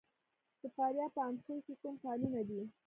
د فاریاب په اندخوی کې کوم کانونه دي؟